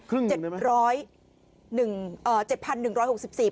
ครึ่งหนึ่งได้ไหม